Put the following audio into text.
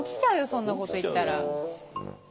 そんなこと言ったら。